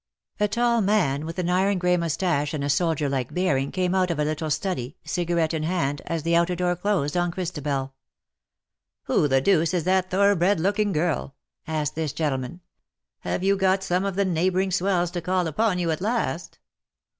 A tall man, with an iron grey moustache and a soldier like bearing, came out of a little study, cigarette in hand, as the outer door closed on Christabel. *^ Who the deuce is that thoroughbred looking girl ?" asked this gentleman. '^ Have you got some of the neighbouring swells to call upon you, at last